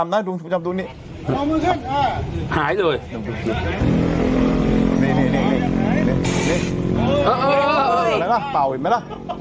ไม่ใช่น้ำมนต์เป็น